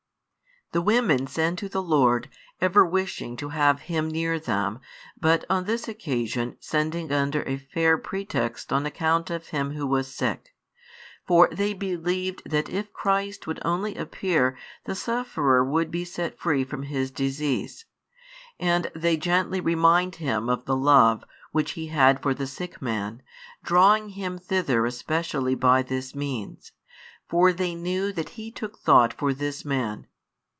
The women send to the Lord, ever wishing to have Him near them, but on this occasion sending under a fair pretext on account of him who was sick. For they believed that if Christ would only appear the sufferer would be set free from his disease. And they gently remind Him of the love which He had for the sick man, drawing Him thither especially by this means; for they knew that He took thought for this man.